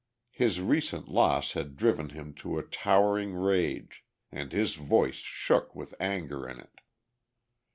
His recent loss had driven him to a towering rage and his voice shook with anger in it.